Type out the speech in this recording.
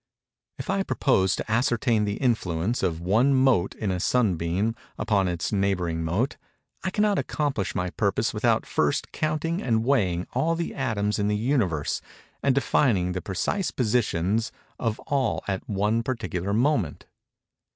If I propose to ascertain the influence of one mote in a sunbeam upon its neighboring mote, I cannot accomplish my purpose without first counting and weighing all the atoms in the Universe and defining the precise positions of all at one particular moment.